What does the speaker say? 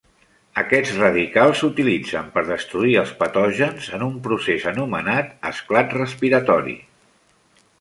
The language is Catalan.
Aquests radicals s"utilitzen per destruir els patògens en un procés anomenat esclat respiratori.